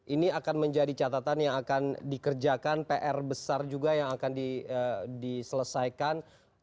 ini akan menjadi catatan yang akan dikerjakan pr besar juga yang akan diselesaikan